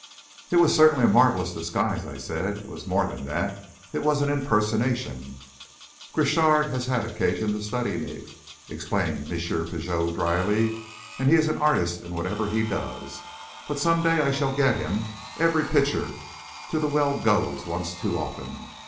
"It was certainly a marvellous disguise," I said. "It was more than that it was an impersonation." "Crochard has had occasion to study me," explained M. Pigot, drily. "And he is an artist in whatever he does. But some day I shall get him every pitcher to the well goes once too often.